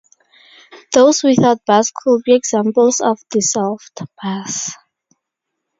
Those without bars could be examples of dissolved bars.